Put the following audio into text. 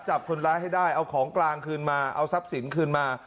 จับคนร้ายให้ได้เอาของกลางคืนมาเอาทรัพย์สินคืนมา